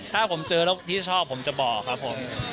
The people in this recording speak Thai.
ถ้าผมเจอแล้วที่ชอบผมจะบอกครับผม